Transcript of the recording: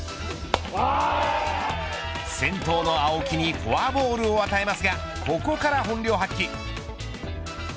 先頭の青木にフォアボールを与えますがここから本領発揮。